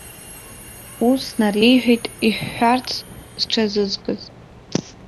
Ус нареиҳәеит иҳәҳәарц зҽазызкыз.